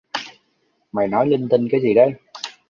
Mày nói linh tinh cái gì đấy